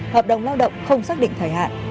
hợp đồng lao động không xác định thời hạn